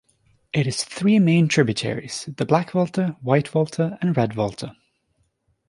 It has three main tributaries-the Black Volta, White Volta and Red Volta.